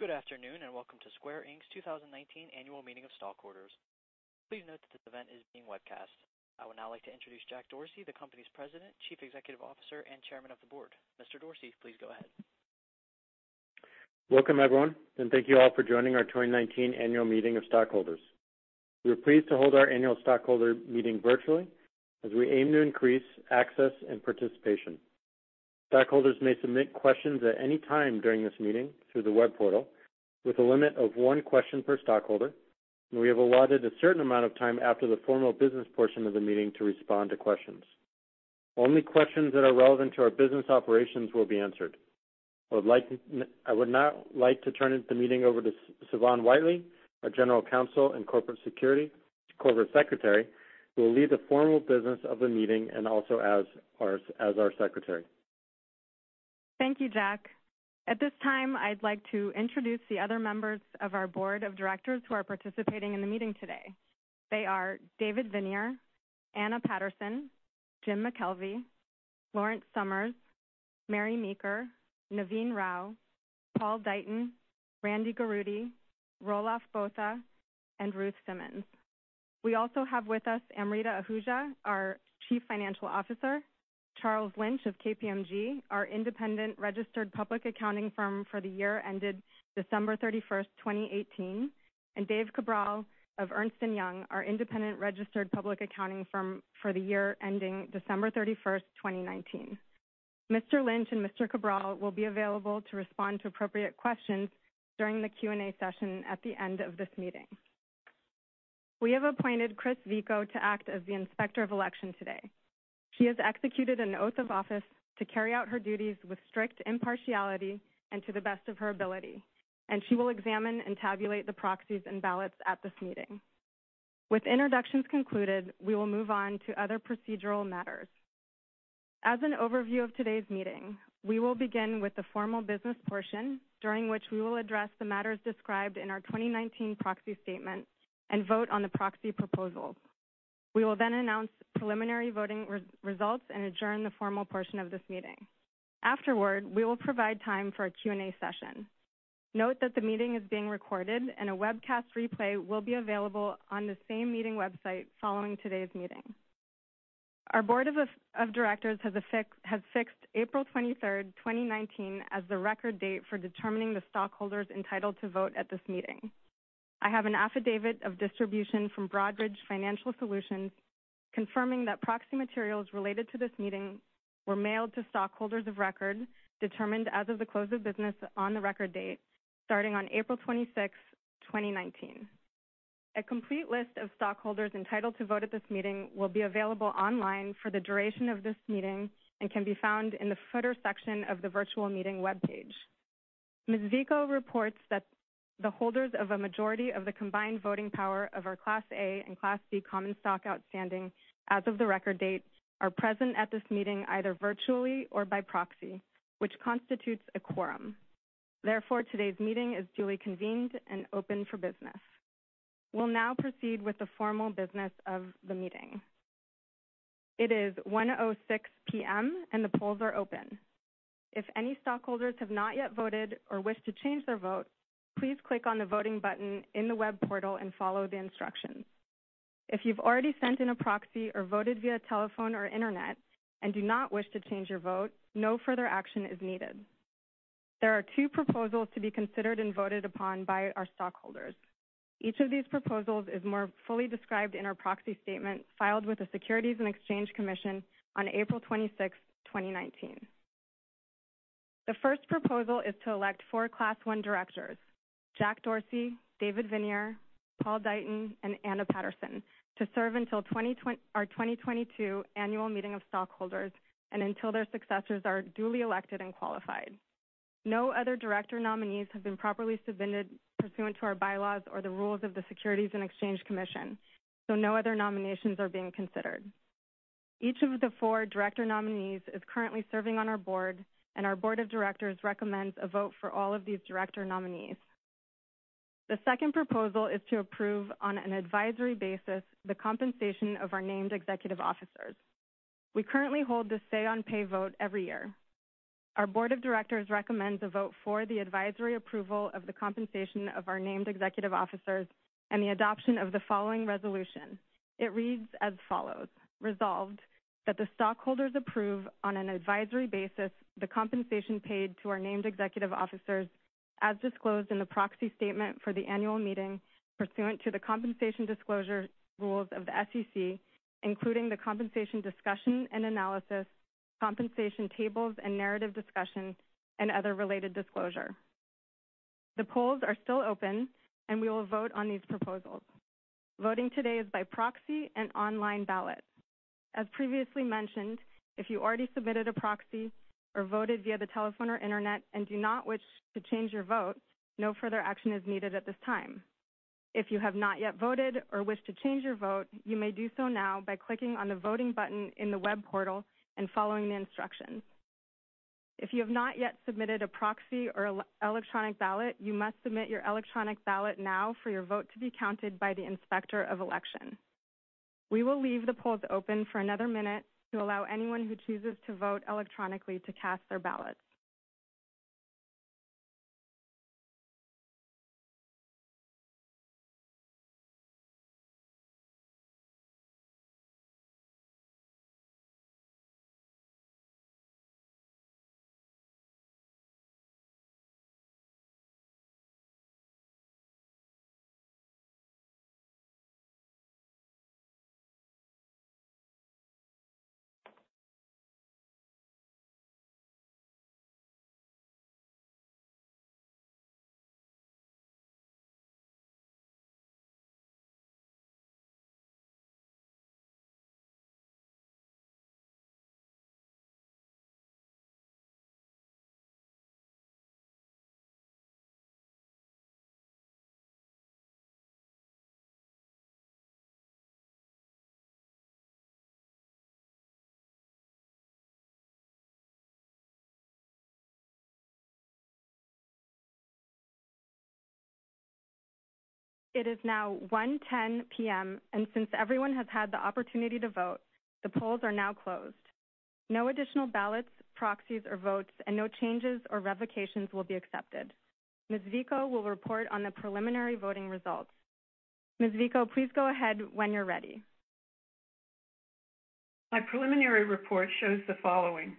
Good afternoon, welcome to Square, Inc.'s 2019 annual meeting of stockholders. Please note that this event is being webcast. I would now like to introduce Jack Dorsey, the company's President, Chief Executive Officer, and Chairman of the Board. Mr. Dorsey, please go ahead. Welcome, everyone, thank you all for joining our 2019 annual meeting of stockholders. We are pleased to hold our annual stockholder meeting virtually as we aim to increase access and participation. Stockholders may submit questions at any time during this meeting through the web portal, with a limit of one question per stockholder. We have allotted a certain amount of time after the formal business portion of the meeting to respond to questions. Only questions that are relevant to our business operations will be answered. I would now like to turn the meeting over to Sivan Whiteley, our General Counsel and Corporate Secretary, who will lead the formal business of the meeting and also as our Secretary. Thank you, Jack. At this time, I'd like to introduce the other members of our Board of Directors who are participating in the meeting today. They are David Viniar, Anna Patterson, Jim McKelvey, Lawrence Summers, Mary Meeker, Naveen Rao, Paul Deighton, Randy Garutti, Roelof Botha, and Ruth Simmons. We also have with us Amrita Ahuja, our Chief Financial Officer, Charles Lynch of KPMG, our independent registered public accounting firm for the year ended December 31st, 2018. Dave Cabral of Ernst & Young, our independent registered public accounting firm for the year ending December 31st, 2019. Mr. Lynch and Mr. Cabral will be available to respond to appropriate questions during the Q&A session at the end of this meeting. We have appointed Chris Vico to act as the Inspector of Election today. She has executed an oath of office to carry out her duties with strict impartiality and to the best of her ability. She will examine and tabulate the proxies and ballots at this meeting. With introductions concluded, we will move on to other procedural matters. As an overview of today's meeting, we will begin with the formal business portion, during which we will address the matters described in our 2019 proxy statement and vote on the proxy proposals. We will announce preliminary voting results and adjourn the formal portion of this meeting. Afterward, we will provide time for a Q&A session. Note that the meeting is being recorded. A webcast replay will be available on the same meeting website following today's meeting. Our Board of Directors has fixed April 23rd, 2019, as the record date for determining the stockholders entitled to vote at this meeting. I have an affidavit of distribution from Broadridge Financial Solutions confirming that proxy materials related to this meeting were mailed to stockholders of record, determined as of the close of business on the record date starting on April 26th, 2019. A complete list of stockholders entitled to vote at this meeting will be available online for the duration of this meeting and can be found in the footer section of the virtual meeting webpage. Ms. Vico reports that the holders of a majority of the combined voting power of our Class A and Class B common stock outstanding as of the record date are present at this meeting, either virtually or by proxy, which constitutes a quorum. Therefore, today's meeting is duly convened and open for business. We'll now proceed with the formal business of the meeting. It is 1:06 P.M., and the polls are open. If any stockholders have not yet voted or wish to change their vote, please click on the voting button in the web portal and follow the instructions. If you've already sent in a proxy or voted via telephone or internet and do not wish to change your vote, no further action is needed. There are two proposals to be considered and voted upon by our stockholders. Each of these proposals is more fully described in our proxy statement filed with the Securities and Exchange Commission on April 26th, 2019. The first proposal is to elect four Class I directors, Jack Dorsey, David Viniar, Paul Deighton, and Anna Patterson, to serve until our 2022 annual meeting of stockholders and until their successors are duly elected and qualified. No other director nominees have been properly submitted pursuant to our bylaws or the rules of the Securities and Exchange Commission, so no other nominations are being considered. Each of the four director nominees is currently serving on our board, and our board of directors recommends a vote for all of these director nominees. The second proposal is to approve, on an advisory basis, the compensation of our named executive officers. We currently hold this say on pay vote every year. Our board of directors recommends a vote for the advisory approval of the compensation of our named executive officers and the adoption of the following resolution. It reads as follows, "Resolved, that the stockholders approve, on an advisory basis, the compensation paid to our named executive officers as disclosed in the proxy statement for the annual meeting pursuant to the compensation disclosure rules of the SEC, including the compensation discussion and analysis, compensation tables and narrative discussions, and other related disclosure." The polls are still open, and we will vote on these proposals. Voting today is by proxy and online ballot. As previously mentioned, if you already submitted a proxy or voted via the telephone or internet and do not wish to change your vote, no further action is needed at this time. If you have not yet voted or wish to change your vote, you may do so now by clicking on the voting button in the web portal and following the instructions. If you have not yet submitted a proxy or electronic ballot, you must submit your electronic ballot now for your vote to be counted by the Inspector of Election. We will leave the polls open for another minute to allow anyone who chooses to vote electronically to cast their ballots. It is now 1:10 P.M., and since everyone has had the opportunity to vote, the polls are now closed. No additional ballots, proxies, or votes, and no changes or revocations will be accepted. Ms. Vico will report on the preliminary voting results. Ms. Vico, please go ahead when you're ready. My preliminary report shows the following.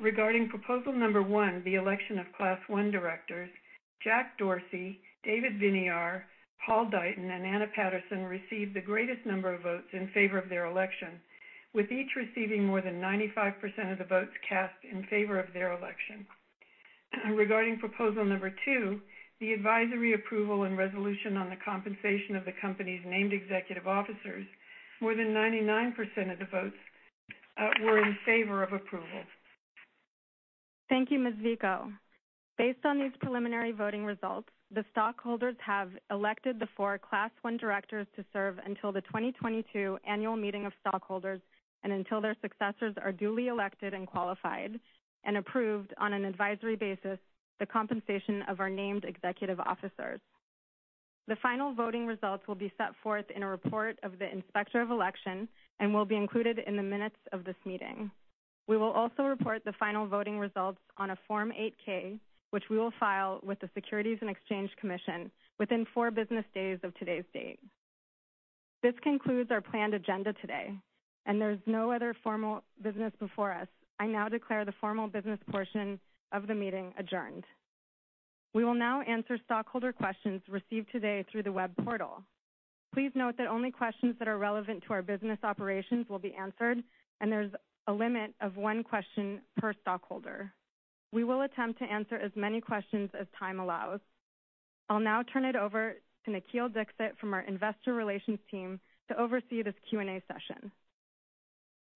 Regarding proposal number one, the election of Class I directors, Jack Dorsey, David Viniar, Paul Deighton, and Anna Patterson received the greatest number of votes in favor of their election, with each receiving more than 95% of the votes cast in favor of their election. Regarding proposal number two, the advisory approval and resolution on the compensation of the company's named executive officers, more than 99% of the votes were in favor of approval. Thank you, Ms. Vico. Based on these preliminary voting results, the stockholders have elected the 4 Class I directors to serve until the 2022 annual meeting of stockholders, and until their successors are duly elected and qualified, and approved on an advisory basis, the compensation of our named executive officers. The final voting results will be set forth in a report of the Inspector of Election and will be included in the minutes of this meeting. We will also report the final voting results on a Form 8-K, which we will file with the Securities and Exchange Commission within four business days of today's date. This concludes our planned agenda today, and there's no other formal business before us. I now declare the formal business portion of the meeting adjourned. We will now answer stockholder questions received today through the web portal. Please note that only questions that are relevant to our business operations will be answered, and there's a limit of one question per stockholder. We will attempt to answer as many questions as time allows. I'll now turn it over to Nikhil Dixit from our investor relations team to oversee this Q&A session.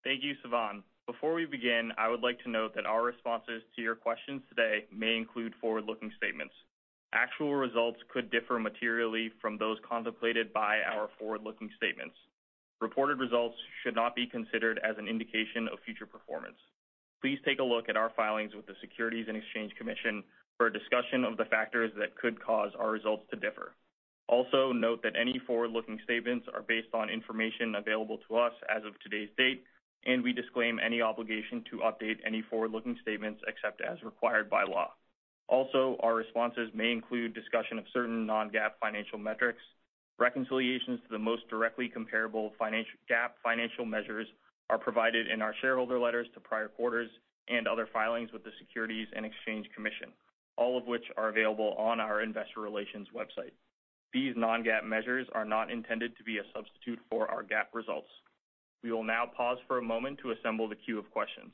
Thank you, Sivan. Before we begin, I would like to note that our responses to your questions today may include forward-looking statements. Actual results could differ materially from those contemplated by our forward-looking statements. Reported results should not be considered as an indication of future performance. Please take a look at our filings with the Securities and Exchange Commission for a discussion of the factors that could cause our results to differ. Also, note that any forward-looking statements are based on information available to us as of today's date, and we disclaim any obligation to update any forward-looking statements except as required by law. Also, our responses may include discussion of certain non-GAAP financial metrics. Reconciliations to the most directly comparable GAAP financial measures are provided in our shareholder letters to prior quarters and other filings with the Securities and Exchange Commission, all of which are available on our investor relations website. These non-GAAP measures are not intended to be a substitute for our GAAP results. We will now pause for a moment to assemble the queue of questions.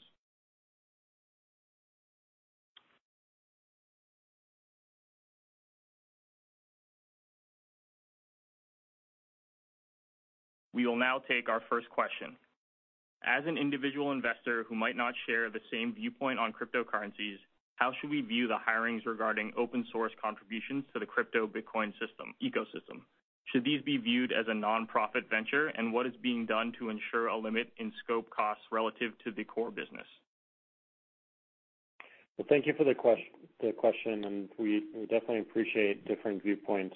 We will now take our first question. As an individual investor who might not share the same viewpoint on cryptocurrencies, how should we view the hirings regarding open source contributions to the crypto Bitcoin ecosystem? Should these be viewed as a nonprofit venture, and what is being done to ensure a limit in scope costs relative to the core business? Well, thank you for the question, and we definitely appreciate different viewpoints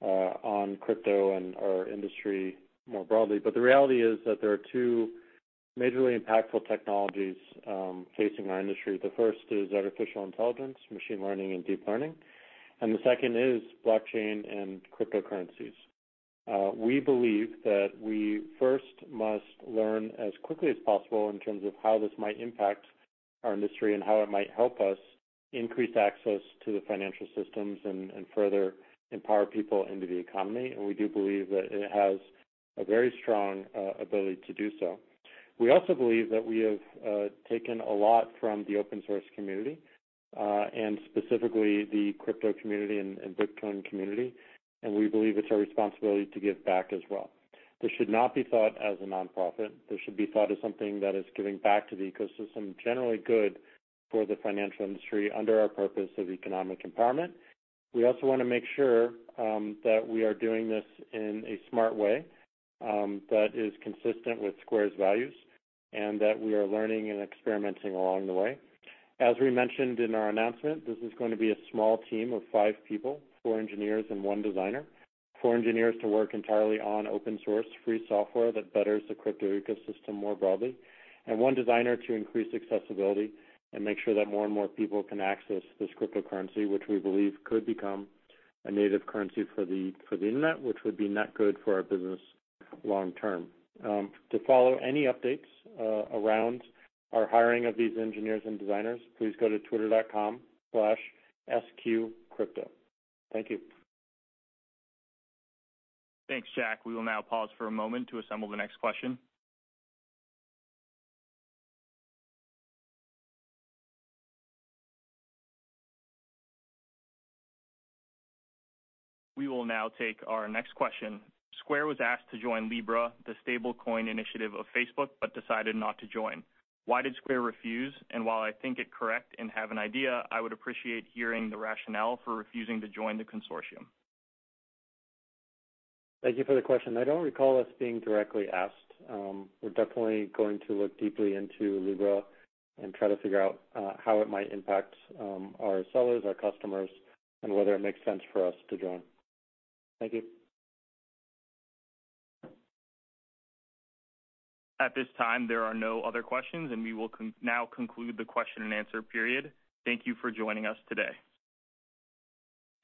on crypto and our industry more broadly. The reality is that there are two majorly impactful technologies facing our industry. The first is artificial intelligence, machine learning, and deep learning, and the second is blockchain and cryptocurrencies. We believe that we first must learn as quickly as possible in terms of how this might impact our industry and how it might help us increase access to the financial systems and further empower people into the economy, and we do believe that it has a very strong ability to do so. We also believe that we have taken a lot from the open source community, and specifically the crypto community and Bitcoin community, and we believe it's our responsibility to give back as well. This should not be thought as a nonprofit. This should be thought as something that is giving back to the ecosystem, generally good for the financial industry under our purpose of economic empowerment. We also want to make sure that we are doing this in a smart way that is consistent with Square's values and that we are learning and experimenting along the way. As we mentioned in our announcement, this is going to be a small team of five people, four engineers and one designer. Four engineers to work entirely on open source free software that betters the crypto ecosystem more broadly, and one designer to increase accessibility and make sure that more and more people can access this cryptocurrency, which we believe could become a native currency for the internet, which would be net good for our business long-term. To follow any updates around our hiring of these engineers and designers, please go to twitter.com/sqcrypto. Thank you. Thanks, Jack. We will now pause for a moment to assemble the next question. We will now take our next question. Square was asked to join Libra, the stablecoin initiative of Facebook, but decided not to join. Why did Square refuse? While I think it correct and have an idea, I would appreciate hearing the rationale for refusing to join the consortium. Thank you for the question. I don't recall us being directly asked. We're definitely going to look deeply into Libra and try to figure out how it might impact our sellers, our customers, and whether it makes sense for us to join. Thank you. At this time, there are no other questions. We will now conclude the question and answer period. Thank you for joining us today.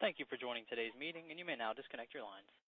Thank you for joining today's meeting, and you may now disconnect your lines.